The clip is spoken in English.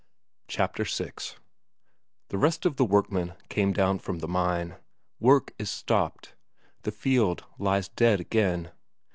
Chapter VI The rest of the workmen came down from the mine. Work is stopped. The fjeld lies dead again.